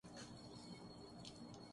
T V shows عوامی مسائل کو نمایاں کرتے ہیں۔